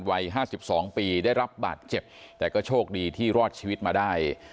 วัยห้าสิบสองปีได้รับบาดเจ็บแต่ก็โชคดีที่รอดชีวิตมาได้